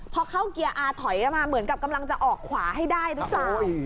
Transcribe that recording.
พอเข้าเกียร์อ่าถอยกันมาเหมือนกับกำลังจะออกขวาให้ได้ทุกส่าง